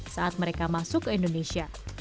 saat mereka masuk ke indonesia